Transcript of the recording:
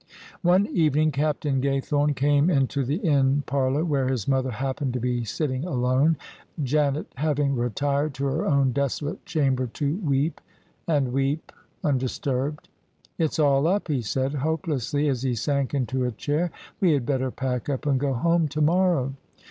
One evening Captain Gaythome came into the inn par lour where his mother happened to be sitting alone, Janet having retired to her own desolate chamber to weep and weep undisturbed. " It*s all up," he said, hopelessly, as he sank into a chair: " we had better pack up and go home to morrow."